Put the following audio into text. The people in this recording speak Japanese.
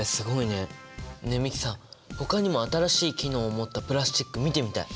ねえ美樹さんほかにも新しい機能を持ったプラスチック見てみたい。